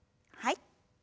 はい。